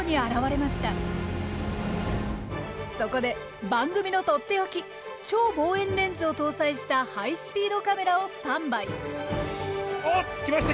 そこで番組のとっておき超望遠レンズを搭載したハイスピードカメラをスタンバイ。